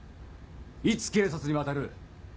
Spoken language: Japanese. いつ警察に渡る？